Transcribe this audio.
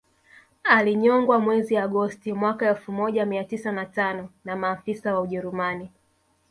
Alinyongwa mwezi Agosti mwaka elfu moja mia tisa na tano na maafisa wa ujerumani